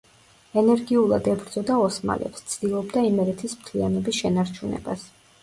ენერგიულად ებრძოდა ოსმალებს, ცდილობდა იმერეთის მთლიანობის შენარჩუნებას.